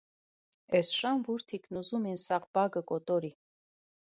- էս շան վուրթիքն ուզում ին սաղ բագը կոտորի: